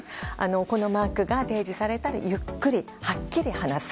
このマークが提示されたらゆっくりはっきり話す。